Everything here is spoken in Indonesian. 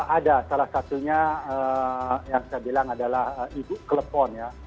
ada salah satunya yang saya bilang adalah ibu klepon ya